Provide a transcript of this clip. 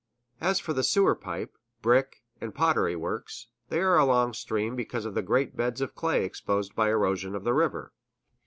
As for the sewer pipe, brick, and pottery works, they are along stream because of the great beds of clay exposed by the erosion of the river.